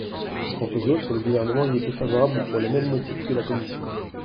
Quant aux autres, le Gouvernement y est défavorable pour les mêmes motifs que la commission.